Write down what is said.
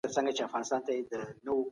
احساساتي خلک ډېر ژاړي.